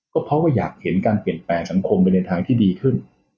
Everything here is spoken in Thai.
ก็เพราะว่าอยากเห็นการเปลี่ยนแปลงสังคมไปในทางที่ดีขึ้น